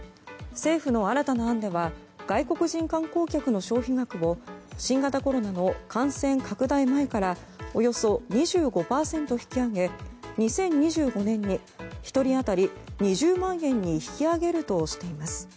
政府の新たな案では外国人観光客の消費額を新型コロナの感染拡大前からおよそ２５％引き上げ２０２５年に１人当たり２０万円に引き上げるとしています。